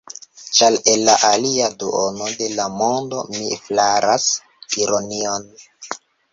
Ĉar el la alia duono de la mondo, mi flaras ironion.